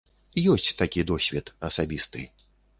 Ёсць такі досвед асабісты.